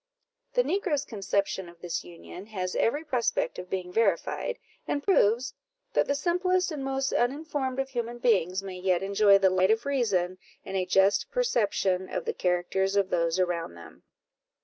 The negro's conception of this union has every prospect of being verified, and proves that the simplest and most uninformed of human beings may yet enjoy the light of reason, and a just perception of the characters of those around them.